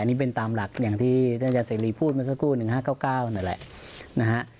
อันนี้เป็นตามหลักอย่างที่ท่านอาจารย์เสรีพูดมาสักครู่๑๕๙๙นั่นแหละนะฮะ